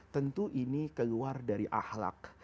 tentu ini keluar dari ahlak